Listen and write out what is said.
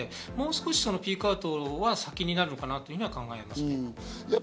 もう少しピークアウトは先になるかなと考えます。